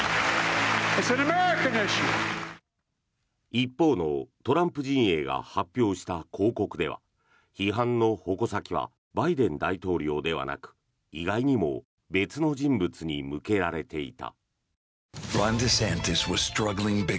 一方のトランプ陣営が発表した広告では批判の矛先はバイデン大統領ではなく意外にも別の人物に向けられていた。